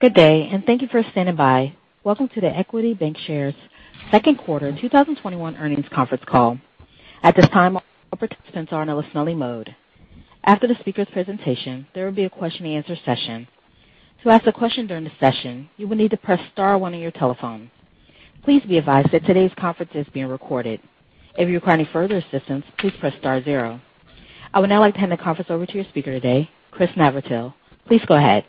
Good day, and thank you for standing by. Welcome to the Equity Bancshares second quarter 2021 earnings conference call. At this time, all participants are in a listen-only mode. After the speaker's presentation, there will be a question and answer session. To ask a question during the session, you will need to press star one on your telephone. Please be advised that today's conference is being recorded. If you require any further assistance, please press star zero. I would now like to hand the conference over to your speaker today, Chris Navratil. Please go ahead.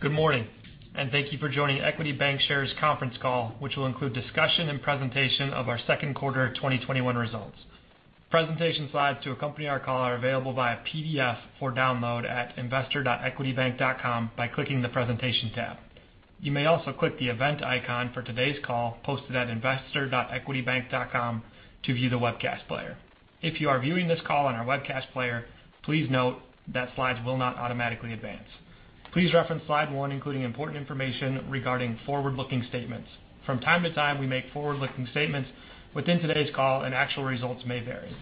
Good morning and thank you for joining Equity Bancshares' conference call, which will include discussion and presentation of our second quarter 2021 results. Presentation slides to accompany our call are available via PDF for download at investor.equitybank.com by clicking the Presentation tab. You may also click the event icon for today's call posted at investor.equitybank.com to view the webcast player. If you are viewing this call on our webcast player, please note that slides will not automatically advance. Please reference slide one, including important information regarding forward-looking statements. From time to time, we make forward-looking statements within today's call, and actual results may vary.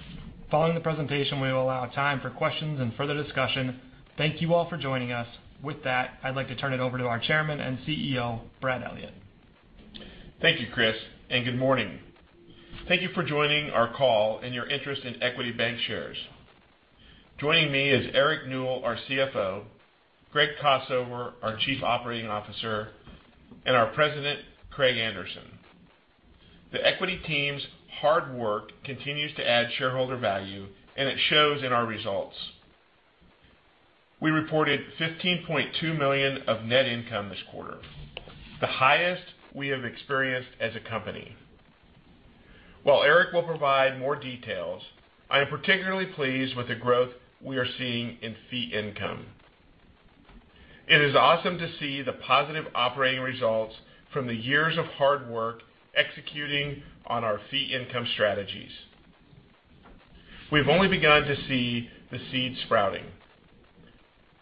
Following the presentation, we will allow time for questions and further discussion. Thank you all for joining us. With that, I'd like to turn it over to our chairman and CEO, Brad Elliott. Thank you, Chris. Good morning. Thank you for joining our call and your interest in Equity Bancshares. Joining me is Eric Newell, our CFO, Greg Kossover, our Chief Operating Officer, and our President, Craig Anderson. The Equity team's hard work continues to add shareholder value, and it shows in our results. We reported $15.2 million of net income this quarter, the highest we have experienced as a company. While Eric will provide more details, I am particularly pleased with the growth we are seeing in fee income. It is awesome to see the positive operating results from the years of hard work executing on our fee income strategies. We've only begun to see the seed sprouting.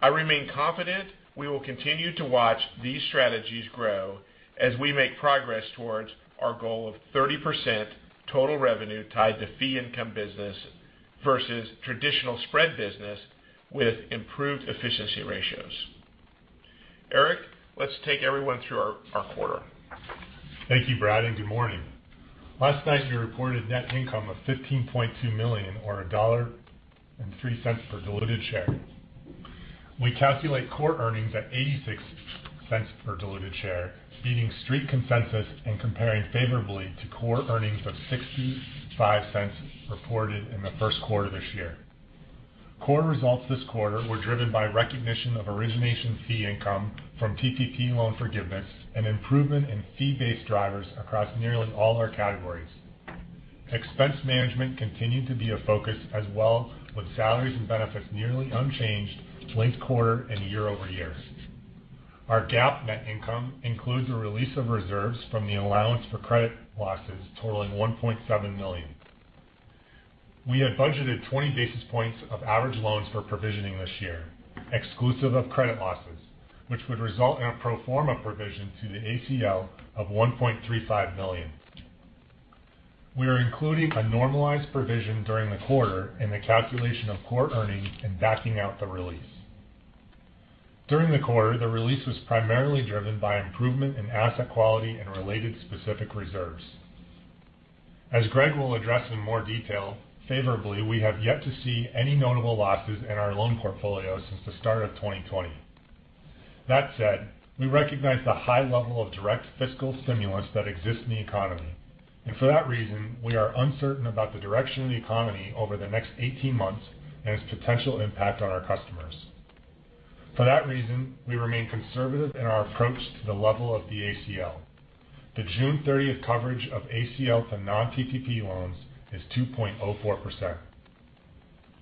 I remain confident we will continue to watch these strategies grow as we make progress towards our goal of 30% total revenue tied to fee income business versus traditional spread business with improved efficiency ratios. Eric, let's take everyone through our quarter. Thank you, Brad. Good morning. Last night, we reported net income of $15.2 million, or $1.03 per diluted share. We calculate core earnings at $0.86 per diluted share, beating Street consensus and comparing favorably to core earnings of $0.65 reported in the first quarter of this year. Core results this quarter were driven by recognition of origination fee income from PPP loan forgiveness and improvement in fee-based drivers across nearly all our categories. Expense management continued to be a focus as well, with salaries and benefits nearly unchanged linked quarter and year-over-year. Our GAAP net income includes a release of reserves from the allowance for credit losses totaling $1.7 million. We had budgeted 20 basis points of average loans for provisioning this year, exclusive of credit losses, which would result in a pro forma provision to the ACL of $1.35 million. We are including a normalized provision during the quarter in the calculation of core earnings and backing out the release. During the quarter, the release was primarily driven by improvement in asset quality and related specific reserves. As Greg will address in more detail, favorably, we have yet to see any notable losses in our loan portfolio since the start of 2020. That said, we recognize the high level of direct fiscal stimulus that exists in the economy. For that reason, we are uncertain about the direction of the economy over the next 18 months and its potential impact on our customers. For that reason, we remain conservative in our approach to the level of the ACL. The June 30th coverage of ACL to non-PPP loans is 2.04%.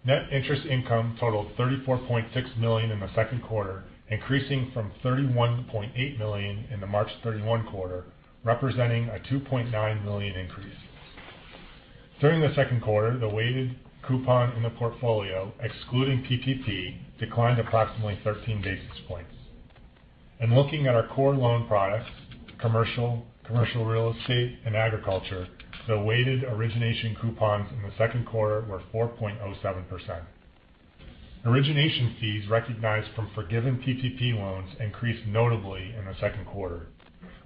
Net interest income totaled $34.6 million in the second quarter, increasing from $31.8 million in the March 31 quarter, representing a $2.9 million increase. During the second quarter, the weighted coupon in the portfolio, excluding PPP, declined approximately 13 basis points. In looking at our core loan products, commercial real estate, and agriculture, the weighted origination coupons in the second quarter were 4.07%. Origination fees recognized from forgiven PPP loans increased notably in the second quarter.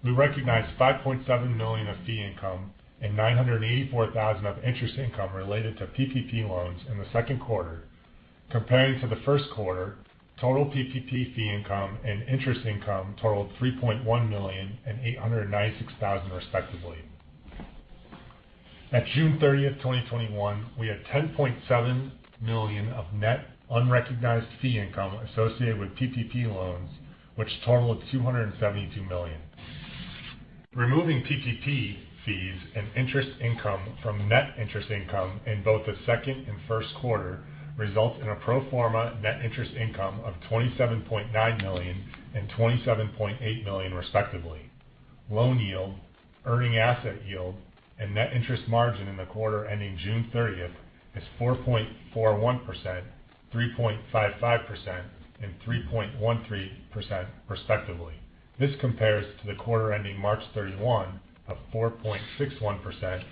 We recognized $5.7 million of fee income and $984,000 of interest income related to PPP loans in the second quarter. Comparing to the first quarter, total PPP fee income and interest income totaled $3.1 million and $896,000 respectively. At June 30th, 2021, we had $10.7 million of net unrecognized fee income associated with PPP loans, which totaled $272 million. Removing PPP fees and interest income from net interest income in both the second and first quarter results in a pro forma net interest income of $27.9 million and $27.8 million respectively. Loan yield, earning asset yield, and net interest margin in the quarter ending June 30th is 4.41%, 3.55%, and 3.13% respectively. This compares to the quarter ending March 31 of 4.61%,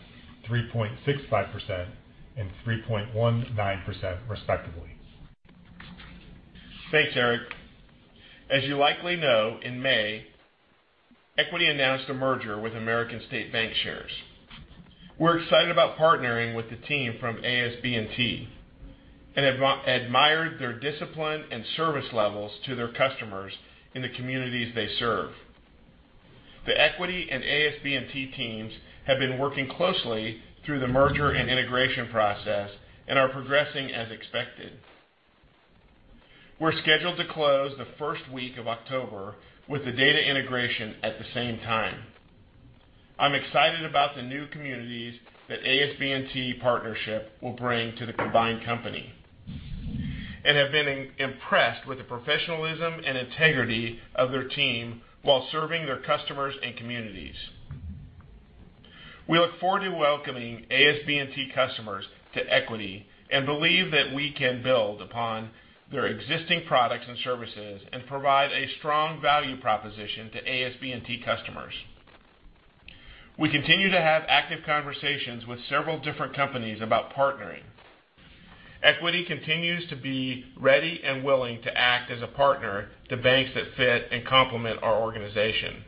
3.65%, and 3.19%, respectively. Thanks, Eric. As you likely know, in May, Equity announced a merger with American State Bancshares, Inc.. We're excited about partnering with the team from ASB&T and admired their discipline and service levels to their customers in the communities they serve. The Equity and ASB&T teams have been working closely through the merger and integration process and are progressing as expected. We're scheduled to close the first week of October with the data integration at the same time. I'm excited about the new communities that ASB&T partnership will bring to the combined company, and have been impressed with the professionalism and integrity of their team while serving their customers and communities. We look forward to welcoming ASB&T customers to Equity and believe that we can build upon their existing products and services and provide a strong value proposition to ASB&T customers. We continue to have active conversations with several different companies about partnering. Equity continues to be ready and willing to act as a partner to banks that fit and complement our organization.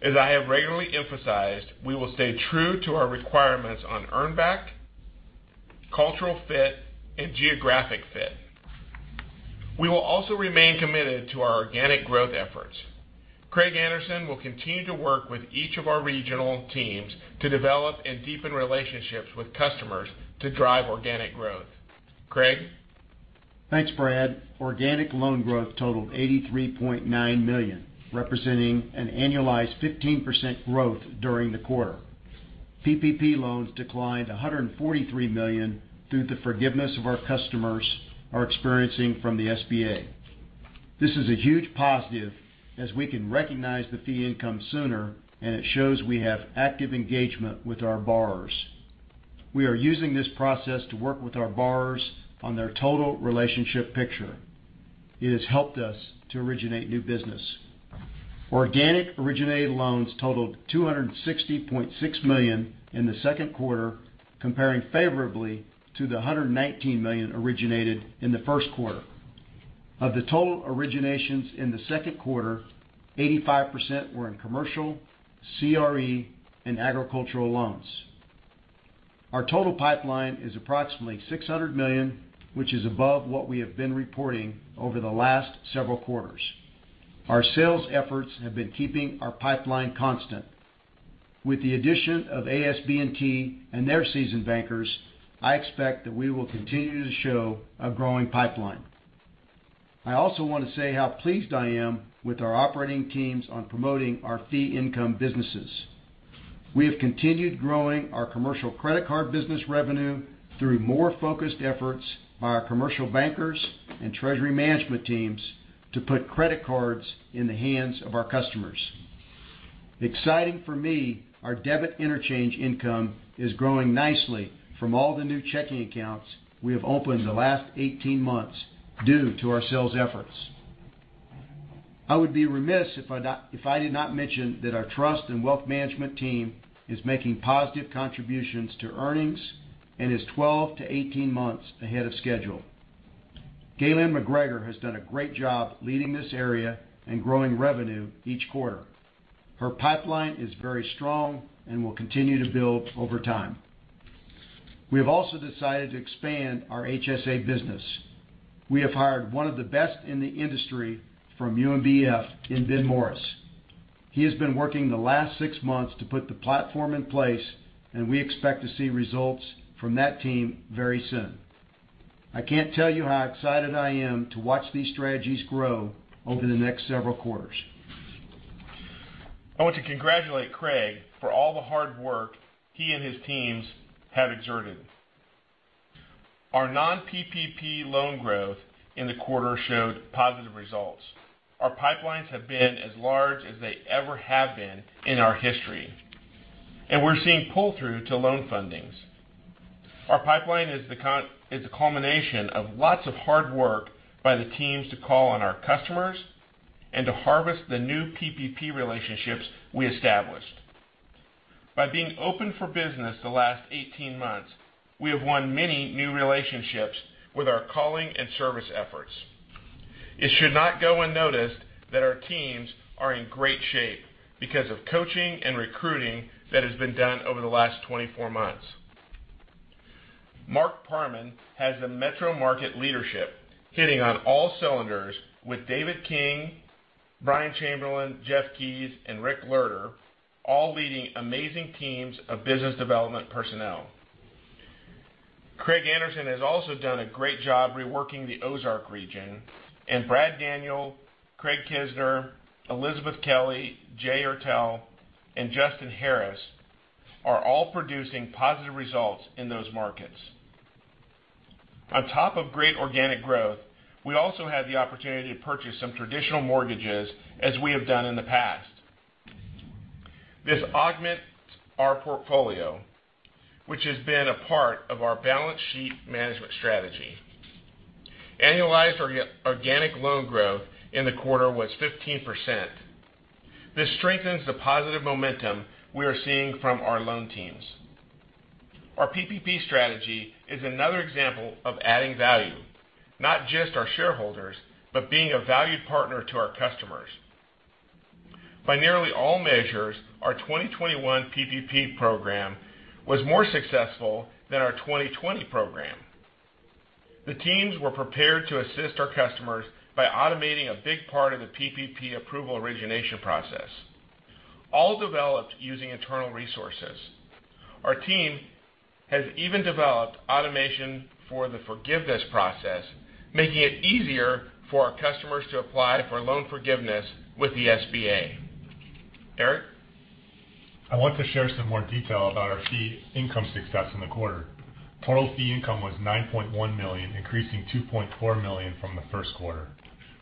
As I have regularly emphasized, we will stay true to our requirements on earn back, cultural fit, and geographic fit. We will also remain committed to our organic growth efforts. Craig Anderson will continue to work with each of our regional teams to develop and deepen relationships with customers to drive organic growth. Craig? Thanks, Brad. Organic loan growth totaled $83.9 million, representing an annualized 15% growth during the quarter. PPP loans declined $143 million through the forgiveness of our customers are experiencing from the SBA. This is a huge positive, as we can recognize the fee income sooner, and it shows we have active engagement with our borrowers. We are using this process to work with our borrowers on their total relationship picture. It has helped us to originate new business. Organic originated loans totaled $260.6 million in the second quarter, comparing favorably to the $119 million originated in the first quarter. Of the total originations in the second quarter, 85% were in commercial, CRE, and agricultural loans. Our total pipeline is approximately $600 million, which is above what we have been reporting over the last several quarters. Our sales efforts have been keeping our pipeline constant. With the addition of ASB&T and their seasoned bankers, I expect that we will continue to show a growing pipeline. I also want to say how pleased I am with our operating teams on promoting our fee income businesses. We have continued growing our commercial credit card business revenue through more focused efforts by our commercial bankers and treasury management teams to put credit cards in the hands of our customers. Exciting for me, our debit interchange income is growing nicely from all the new checking accounts we have opened in the last 18 months due to our sales efforts. I would be remiss if I did not mention that our trust and wealth management team is making positive contributions to earnings and is 12-18 months ahead of schedule. Gaylyn McGregor has done a great job leading this area and growing revenue each quarter. Her pipeline is very strong and will continue to build over time. We have also decided to expand our HSA business. We have hired one of the best in the industry from UMBF in Ben Morris. He has been working the last six months to put the platform in place, and we expect to see results from that team very soon. I can't tell you how excited I am to watch these strategies grow over the next several quarters. I want to congratulate Craig for all the hard work he and his teams have exerted. Our non-PPP loan growth in the quarter showed positive results. Our pipelines have been as large as they ever have been in our history, and we're seeing pull-through to loan fundings. Our pipeline is the culmination of lots of hard work by the teams to call on our customers and to harvest the new PPP relationships we established. By being open for business the last 18 months, we have won many new relationships with our calling and service efforts. It should not go unnoticed that our teams are in great shape because of coaching and recruiting that has been done over the last 24 months. Mark Parman has the metro market leadership hitting on all cylinders with David King, Brian Chamberlin, Jeff Keyes, and Rick Lehrter all leading amazing teams of business development personnel. Craig Anderson has also done a great job reworking the Ozark region, Brad Daniel, Craig Kesner, Elizabeth Kelley, Jay Ertel, and Justin Harris are all producing positive results in those markets. On top of great organic growth, we also had the opportunity to purchase some traditional mortgages, as we have done in the past. This augments our portfolio, which has been a part of our balance sheet management strategy. Annualized organic loan growth in the quarter was 15%. This strengthens the positive momentum we are seeing from our loan teams. Our PPP strategy is another example of adding value. Not just our shareholders, but being a valued partner to our customers. By nearly all measures, our 2021 PPP program was more successful than our 2020 program. The teams were prepared to assist our customers by automating a big part of the PPP approval origination process, all developed using internal resources. Our team has even developed automation for the forgiveness process, making it easier for our customers to apply for loan forgiveness with the SBA. Eric? I want to share some more detail about our fee income success in the quarter. Total fee income was $9.1 million, increasing $2.4 million from the first quarter.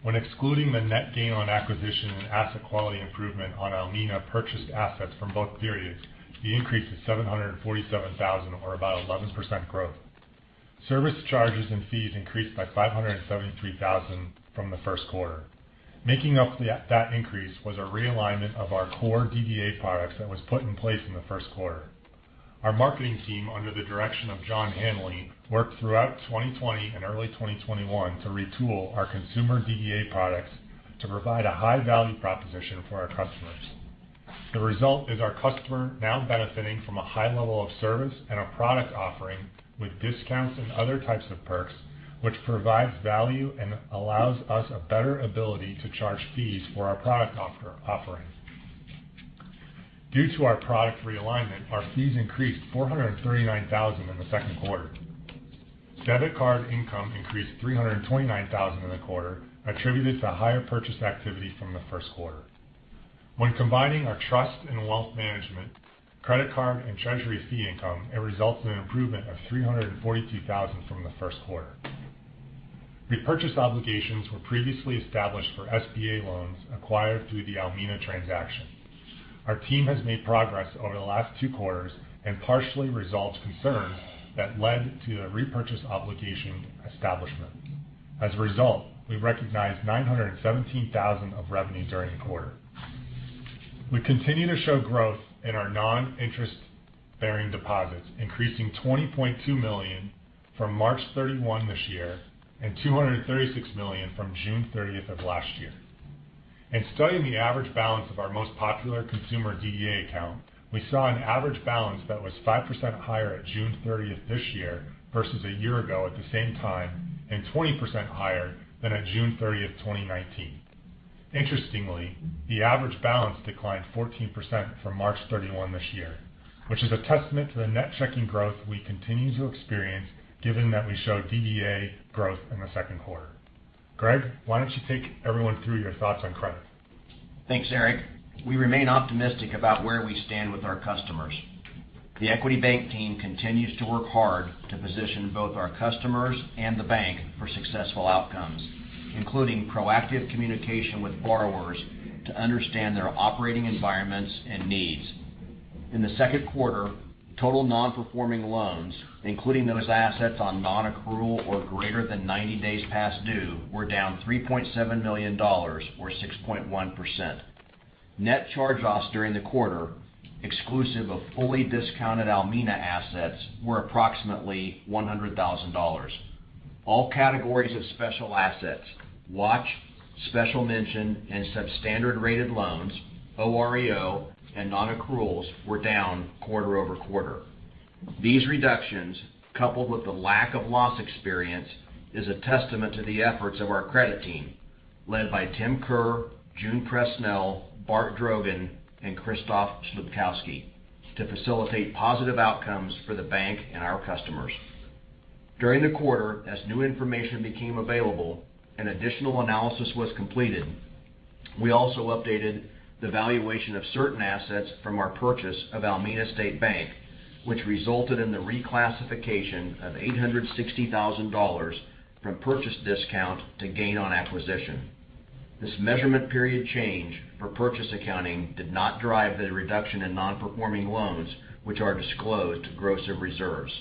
When excluding the net gain on acquisition and asset quality improvement on Almena purchased assets from both periods, the increase is $747,000, or about 11% growth. Service charges and fees increased by $573,000 from the first quarter. Making up that increase was a realignment of our core DDA products that was put in place in the first quarter. Our marketing team, under the direction of John Hanley, worked throughout 2020 and early 2021 to retool our consumer DDA products to provide a high-value proposition for our customers. The result is our customer now benefiting from a high level of service and a product offering with discounts and other types of perks, which provides value and allows us a better ability to charge fees for our product offering. Due to our product realignment, our fees increased $439,000 in the second quarter. Debit card income increased $329,000 in the quarter, attributed to higher purchase activity from the first quarter. When combining our trust and wealth management, credit card, and treasury fee income, it results in an improvement of $342,000 from the first quarter. Repurchase obligations were previously established for SBA loans acquired through the Almena transaction. Our team has made progress over the last two quarters and partially resolved concerns that led to the repurchase obligation establishment. As a result, we recognized $917,000 of revenue during the quarter. We continue to show growth in our non-interest-bearing deposits, increasing $20.2 million from March 31 this year and $236 million from June 30th of last year. In studying the average balance of our most popular consumer DDA account, we saw an average balance that was 5% higher at June 30th this year versus a year ago at the same time and 20% higher than at June 30th, 2019. Interestingly, the average balance declined 14% from March 31 this year, which is a testament to the net checking growth we continue to experience given that we show DDA growth in the second quarter. Greg, why don't you take everyone through your thoughts on credit? Thanks, Eric. We remain optimistic about where we stand with our customers. The Equity Bank team continues to work hard to position both our customers and the bank for successful outcomes, including proactive communication with borrowers to understand their operating environments and needs. In the second quarter, total non-performing loans, including those assets on non-accrual or greater than 90 days past due, were down $3.7 million, or 6.1%. Net charge-offs during the quarter, exclusive of fully discounted Almena assets, were approximately $100,000. All categories of special assets, watch, special mention, and substandard rated loans, OREO, and non-accruals were down quarter-over-quarter. These reductions, coupled with the lack of loss experience, is a testament to the efforts of our credit team led by Tim Kerr, June Presnell, Bart Drogon, and Christoph Sipkowski to facilitate positive outcomes for the bank and our customers. During the quarter, as new information became available and additional analysis was completed, we also updated the valuation of certain assets from our purchase of Almena State Bank, which resulted in the reclassification of $860,000 from purchase discount to gain on acquisition. This measurement period change for purchase accounting did not drive the reduction in non-performing loans, which are disclosed gross of reserves.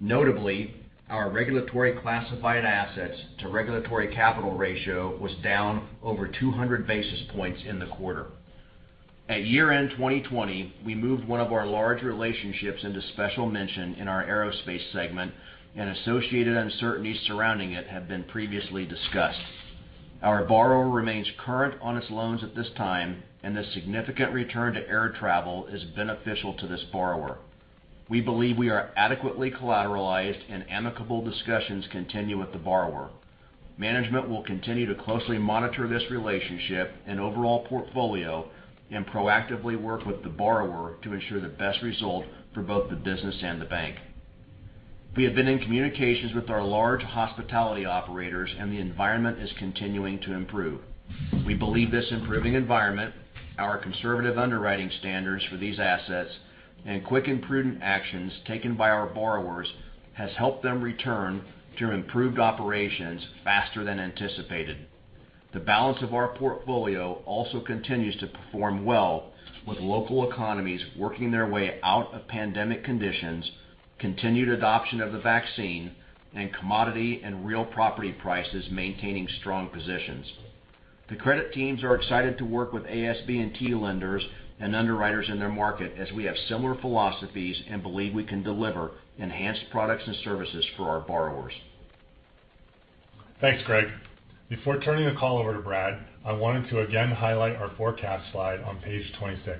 Notably, our regulatory classified assets to regulatory capital ratio was down over 200 basis points in the quarter. At year-end 2020, we moved 1 of our large relationships into special mention in our aerospace segment. Associated uncertainties surrounding it have been previously discussed. Our borrower remains current on its loans at this time. The significant return to air travel is beneficial to this borrower. We believe we are adequately collateralized. Amicable discussions continue with the borrower. Management will continue to closely monitor this relationship and overall portfolio and proactively work with the borrower to ensure the best result for both the business and the bank. We have been in communications with our large hospitality operators and the environment is continuing to improve. We believe this improving environment, our conservative underwriting standards for these assets, and quick and prudent actions taken by our borrowers has helped them return to improved operations faster than anticipated. The balance of our portfolio also continues to perform well with local economies working their way out of pandemic conditions, continued adoption of the vaccine, and commodity and real property prices maintaining strong positions. The credit teams are excited to work with ASB&T lenders and underwriters in their market as we have similar philosophies and believe we can deliver enhanced products and services for our borrowers. Thanks, Greg. Before turning the call over to Brad, I wanted to again highlight our forecast slide on page 26.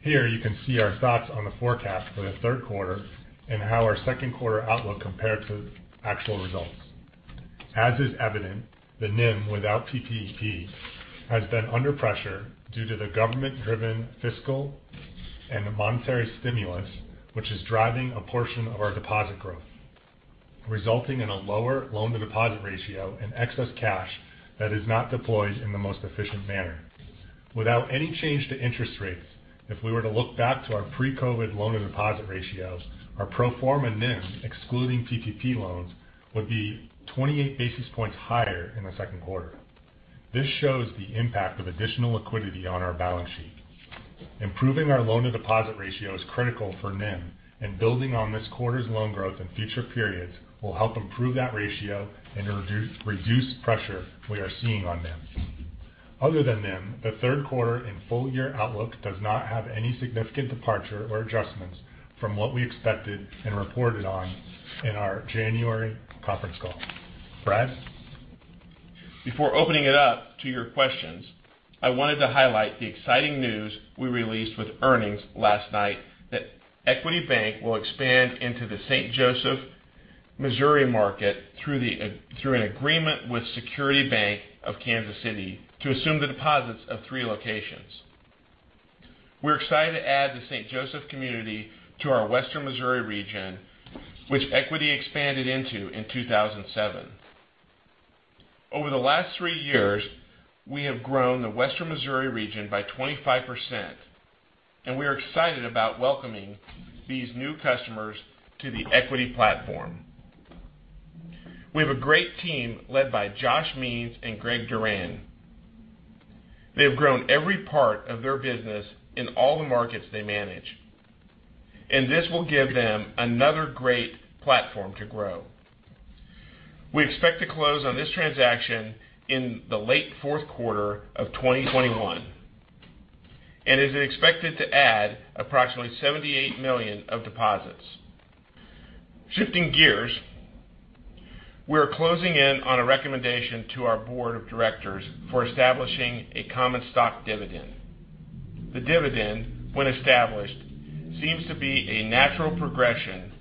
Here, you can see our thoughts on the forecast for the third quarter and how our second quarter outlook compared to actual results. As is evident, the NIM without PPP has been under pressure due to the government-driven fiscal and monetary stimulus, which is driving a portion of our deposit growth, resulting in a lower loan-to-deposit ratio and excess cash that is not deployed in the most efficient manner. Without any change to interest rates, if we were to look back to our pre-COVID loan-to-deposit ratios, our pro forma NIM, excluding PPP loans, would be 28 basis points higher in the second quarter. This shows the impact of additional liquidity on our balance sheet. Improving our loan-to-deposit ratio is critical for NIM, and building on this quarter's loan growth in future periods will help improve that ratio and reduce pressure we are seeing on NIM. Other than NIM, the third quarter and full-year outlook does not have any significant departure or adjustments from what we expected and reported on in our January conference call. Brad? Before opening it up to your questions, I wanted to highlight the exciting news we released with earnings last night that Equity Bank will expand into the St. Joseph, Missouri market through an agreement with Security Bank of Kansas City to assume the deposits of three locations. We're excited to add the St. Joseph community to our Western Missouri region, which Equity expanded into in 2007. Over the last three years, we have grown the Western Missouri region by 25%, and we are excited about welcoming these new customers to the Equity platform. We have a great team led by Josh Means and Greg Duran. They have grown every part of their business in all the markets they manage, and this will give them another great platform to grow. We expect to close on this transaction in the late fourth quarter of 2021, and it is expected to add approximately $78 million of deposits. Shifting gears, we are closing in on a recommendation to our board of directors for establishing a common stock dividend. The dividend, when established, seems to be a natural progression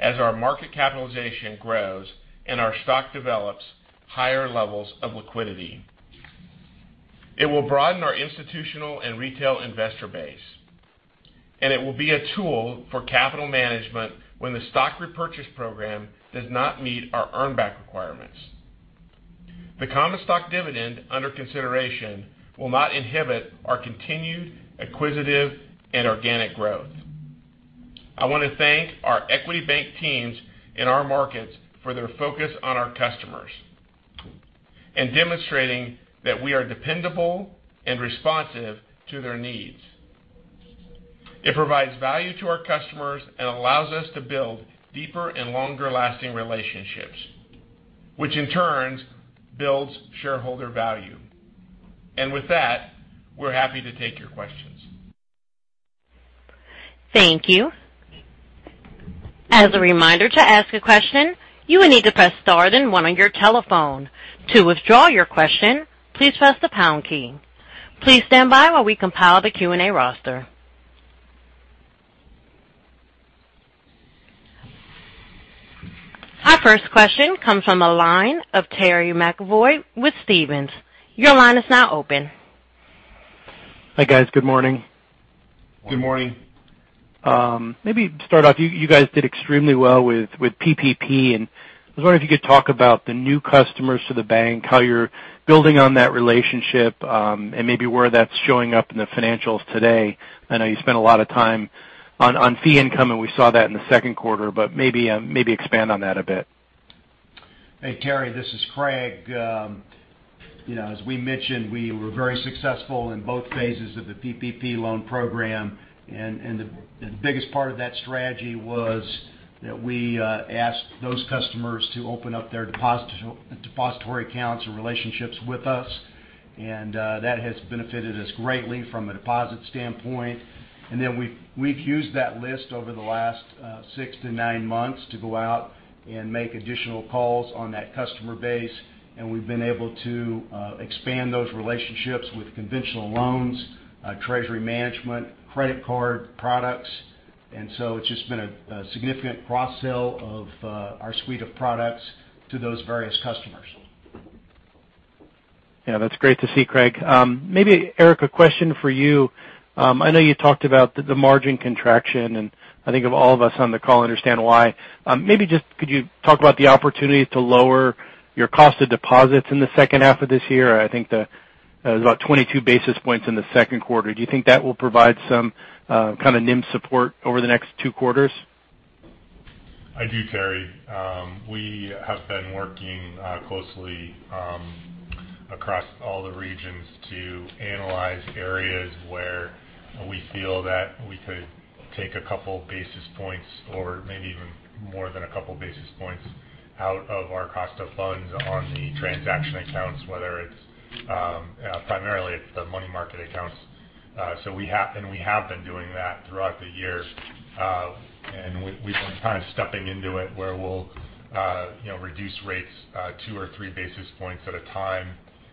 as our market capitalization grows and our stock develops higher levels of liquidity. It will broaden our institutional and retail investor base, and it will be a tool for capital management when the stock repurchase program does not meet our earn back requirements. The common stock dividend under consideration will not inhibit our continued acquisitive and organic growth. I want to thank our Equity Bank teams in our markets for their focus on our customers and demonstrating that we are dependable and responsive to their needs. It provides value to our customers and allows us to build deeper and longer-lasting relationships, which in turn builds shareholder value. With that, we're happy to take your questions. Thank you. As a reminder, to ask a question, you will need to press star then one on your telephone. To withdraw your question, please press the pound key. Please stand by while we compile the Q&A roster. Our first question comes from the line of Terry McEvoy with Stephens. Your line is now open. Hi, guys. Good morning. Good morning. Maybe to start off, you guys did extremely well with PPP, and I was wondering if you could talk about the new customers to the bank, how you're building on that relationship, and maybe where that's showing up in the financials today. I know you spent a lot of time on fee income, and we saw that in the second quarter, but maybe expand on that a bit. Hey, Terry. This is Craig. As we mentioned, we were very successful in both phases of the PPP loan program, and the biggest part of that strategy was that we asked those customers to open up their depository accounts and relationships with us, and that has benefited us greatly from a deposit standpoint. We've used that list over the last six to nine months to go out and make additional calls on that customer base, and we've been able to expand those relationships with conventional loans, treasury management, credit card products. It's just been a significant cross-sell of our suite of products to those various customers. Yeah, that's great to see, Craig. Maybe, Eric, a question for you. I know you talked about the margin contraction, and I think of all of us on the call understand why. Maybe just could you talk about the opportunity to lower your cost of deposits in the second half of this year? I think that was about 22 basis points in the second quarter. Do you think that will provide some kind of NIM support over the next two quarters? I do, Terry. We have been working closely across all the regions to analyze areas where we feel that we could take a couple basis points or maybe even more than a couple basis points out of our cost of funds on the transaction accounts, primarily, the money market accounts. We have been doing that throughout the year. We've been kind of stepping into it where we'll reduce rates 2 or 3 basis points at a time.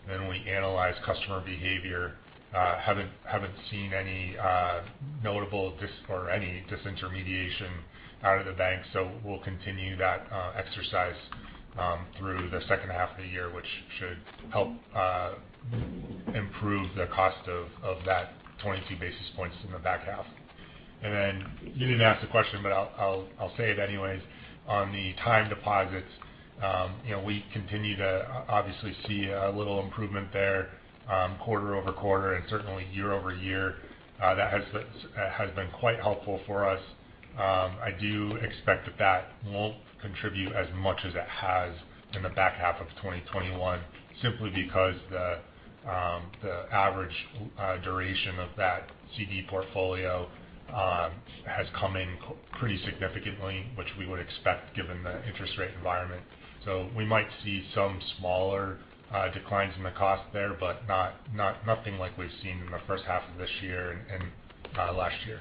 We analyze customer behavior. Haven't seen any notable or any disintermediation out of the bank. We'll continue that exercise through the second half of the year, which should help improve the cost of that 22 basis points in the back half. You didn't ask the question, but I'll say it anyways. On the time deposits, we continue to obviously see a little improvement there, quarter-over-quarter and certainly year-over-year. That has been quite helpful for us. I do expect that that won't contribute as much as it has in the back half of 2021, simply because the average duration of that CD portfolio has come in pretty significantly, which we would expect given the interest rate environment. We might see some smaller declines in the cost there, but nothing like we've seen in the first half of this year and last year.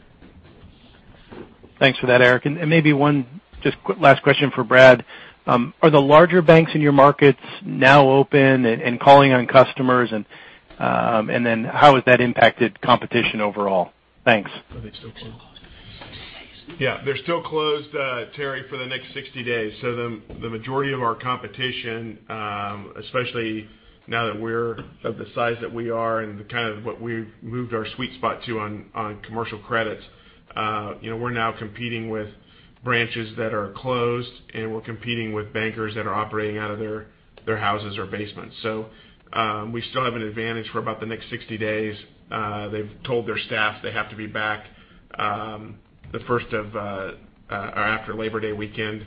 Thanks for that, Eric. Maybe one just quick last question for Brad. Are the larger banks in your markets now open and calling on customers? How has that impacted competition overall? Thanks. Are they still closed? Yeah, they're still closed, Terry, for the next 60 days. The majority of our competition, especially now that we're of the size that we are and the kind of what we've moved our sweet spot to on commercial credits, we're now competing with branches that are closed, and we're competing with bankers that are operating out of their houses or basements. We still have an advantage for about the next 60 days. They've told their staff they have to be back after Labor Day weekend.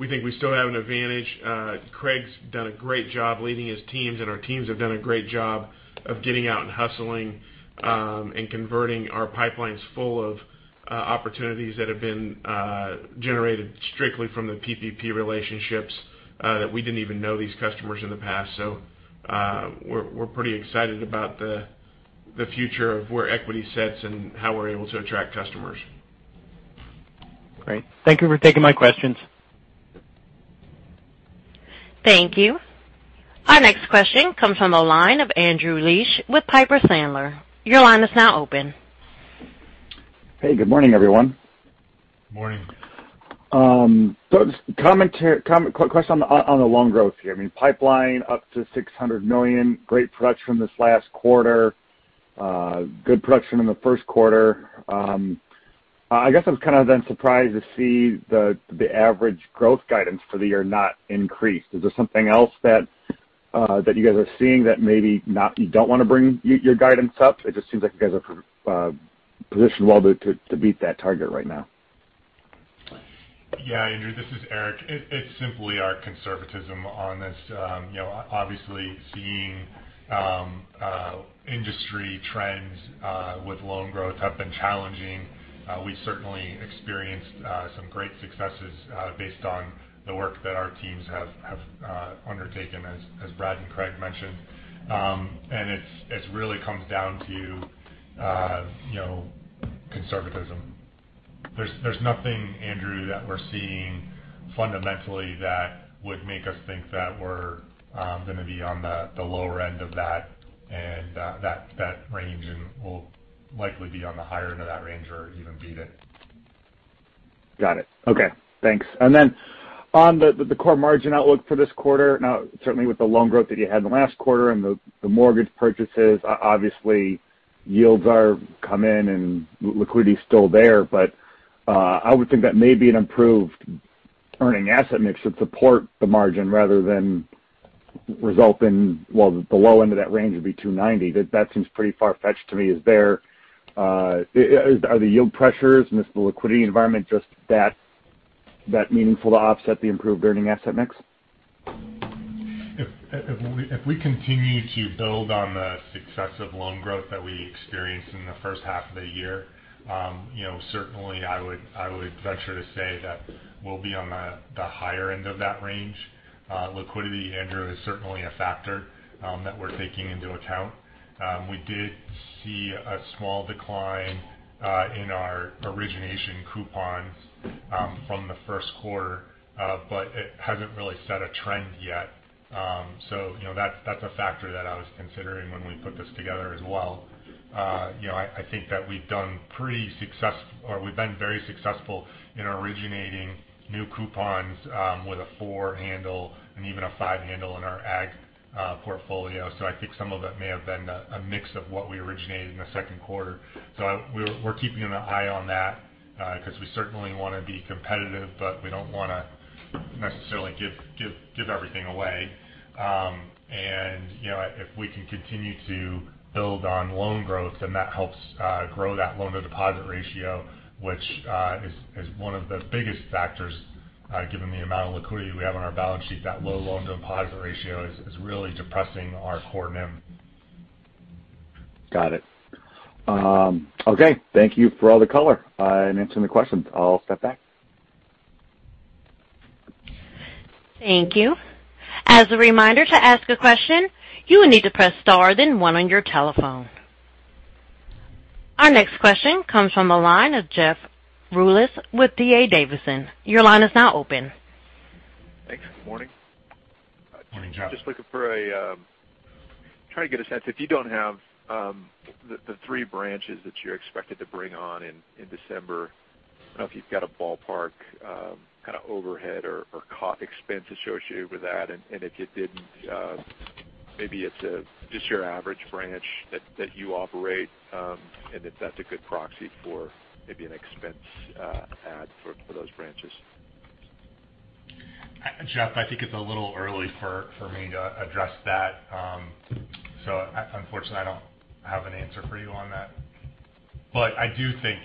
We think we still have an advantage. Craig's done a great job leading his teams, and our teams have done a great job of getting out and hustling, and converting our pipelines full of opportunities that have been generated strictly from the PPP relationships, that we didn't even know these customers in the past. We're pretty excited about the future of where Equity sits and how we're able to attract customers. Great. Thank you for taking my questions. Thank you. Our next question comes from the line of Andrew Liesch with Piper Sandler. Hey, good morning, everyone. Morning. Quick question on the loan growth here. I mean, pipeline up to $600 million. Great production this last quarter. Good production in the first quarter. I guess I was kind of surprised to see the average growth guidance for the year not increase. Is there something else that you guys are seeing that maybe you don't want to bring your guidance up? It just seems like you guys are positioned well to beat that target right now. Yeah, Andrew, this is Eric. It's simply our conservatism on this. Obviously, seeing industry trends with loan growth have been challenging. We certainly experienced some great successes based on the work that our teams have undertaken, as Brad and Craig mentioned. It really comes down to conservatism. There's nothing, Andrew, that we're seeing fundamentally that would make us think that we're going to be on the lower end of that range and we'll likely be on the higher end of that range or even beat it. Got it. Okay, thanks. Then on the core margin outlook for this quarter, now certainly with the loan growth that you had in the last quarter and the mortgage purchases, obviously yields are come in and liquidity is still there. I would think that maybe an improved earning asset mix should support the margin rather than result in, well, the low end of that range would be 290. That seems pretty far-fetched to me. Are the yield pressures in this liquidity environment just that meaningful to offset the improved earning asset mix? If we continue to build on the success of loan growth that we experienced in the first half of the year, certainly I would venture to say that we'll be on the higher end of that range. Liquidity, Andrew, is certainly a factor that we're taking into account. We did see a small decline in our origination coupons from the first quarter. It hasn't really set a trend yet. That's a factor that I was considering when we put this together as well. I think that we've been very successful in originating new coupons with a four handle and even a five handle in our Ag-portfolio. I think some of it may have been a mix of what we originated in the second quarter. We're keeping an eye on that because we certainly want to be competitive, but we don't want to necessarily give everything away. If we can continue to build on loan growth, then that helps grow that loan-to-deposit ratio, which is one of the biggest factors, given the amount of liquidity we have on our balance sheet. That low loan-to-deposit ratio is really depressing our core NIM. Got it. Okay. Thank you for all the color and answering the questions. I will step back. Thank you. As a reminder, to ask a question, you will need to press star, then one on your telephone. Our next question comes from the line of Jeff Rulis with D.A. Davidson. Your line is now open. Thanks. Good morning. Morning, Jeff. Just trying to get a sense. If you don't have the three branches that you're expected to bring on in December, I don't know if you've got a ballpark overhead or expense associated with that, and if you didn't, maybe it's just your average branch that you operate, and if that's a good proxy for maybe an expense add for those branches. Jeff, I think it's a little early for me to address that. Unfortunately, I don't have an answer for you on that. I do think,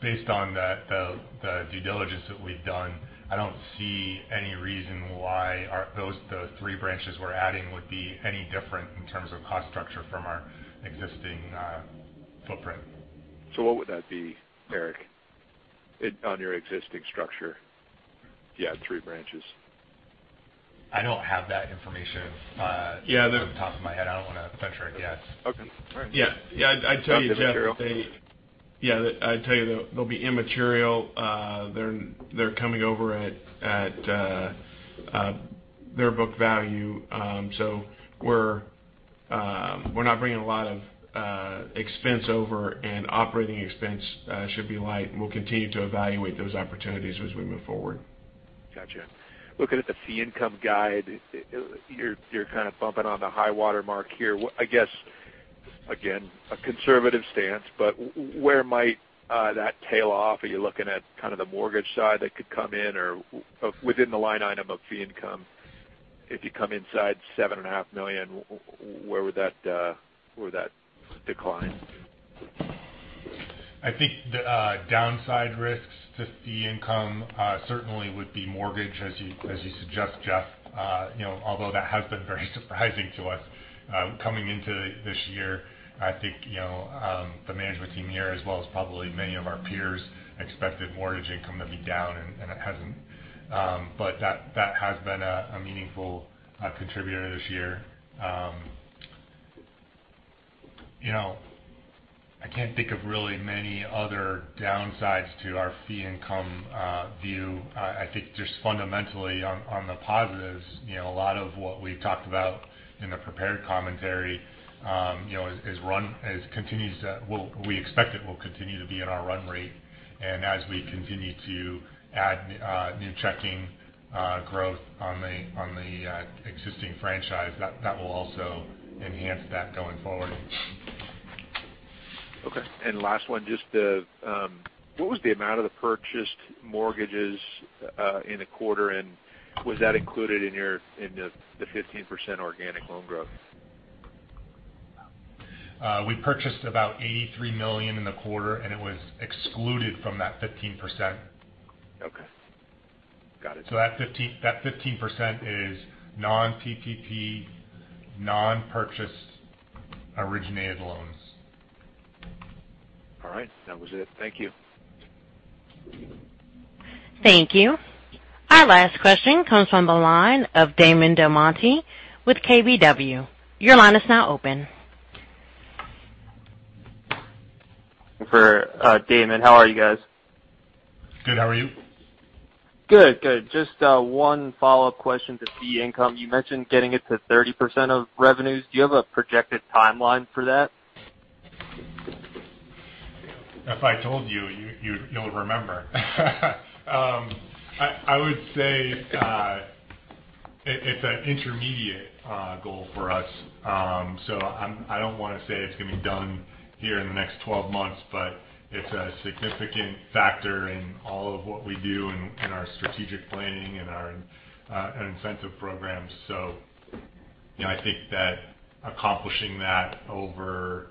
based on the due diligence that we've done, I don't see any reason why those, the 3 branches we're adding, would be any different in terms of cost structure from our existing footprint. What would that be, Eric? On your existing structure if you had three branches? I don't have that information. Yeah. off the top of my head. I don't want to venture it yet. Okay. All right. Yeah. I'd tell you, Jeff- Immaterial. Yeah. I'd tell you they'll be immaterial. They're coming over at their book value. We're not bringing a lot of expense over, and operating expense should be light, and we'll continue to evaluate those opportunities as we move forward. Gotcha. Looking at the fee income guide, you're kind of bumping on the high water mark here. I guess, again, a conservative stance, but where might that tail off? Are you looking at kind of the mortgage side that could come in or within the line item of fee income? If you come inside $7.5 million, where would that decline? I think the downside risks to fee income certainly would be mortgage, as you suggest, Jeff. That has been very surprising to us. Coming into this year, I think, the management team here, as well as probably many of our peers, expected mortgage income to be down, and it hasn't. That has been a meaningful contributor this year. I can't think of really many other downsides to our fee income view. I think just fundamentally on the positives, a lot of what we've talked about in the prepared commentary we expect it will continue to be at our run rate. As we continue to add new checking growth on the existing franchise, that will also enhance that going forward. Okay. Last one. What was the amount of the purchased mortgages in a quarter, and was that included in the 15% organic loan growth? We purchased about $83 million in the quarter, and it was excluded from that 15%. Okay. Got it. That 15% is non-PPP, non-purchased, originated loans. All right. That was it. Thank you. Thank you. Our last question comes from the line of Damon DelMonte with KBW. Your line is now open. Hi. Good morning. How are you guys? Good. How are you? Good. Just one follow-up question to fee income. You mentioned getting it to 30% of revenues. Do you have a projected timeline for that? If I told you'll remember. I would say it's an intermediate goal for us. I don't want to say it's going to be done here in the next 12 months, but it's a significant factor in all of what we do in our strategic planning and our incentive programs. I think that accomplishing that over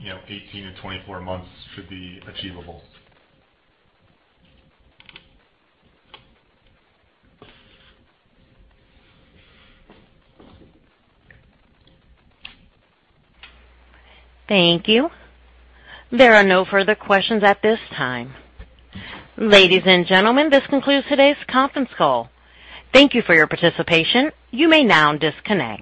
18-24 months should be achievable. Thank you. There are no further questions at this time. Ladies and gentlemen, this concludes today's conference call. Thank you for your participation. You may now disconnect.